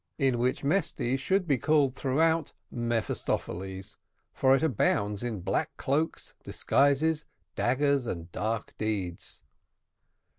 IN WHICH MESTY SHOULD BE CALLED THROUGHOUT MEPHISTOPHELES, FOR IT ABOUNDS IN BLACK CLOAKS, DISGUISES, DAGGERS, AND DARK DEEDS.